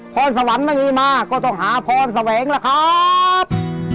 พรสวรรค์ไม่มีมาก็ต้องหาพรสวรรค์แล้วครับ